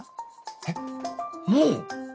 えっもう？